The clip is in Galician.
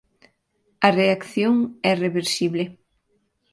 A reacción é reversible.